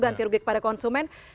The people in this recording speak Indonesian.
ganti rugi kepada konsumen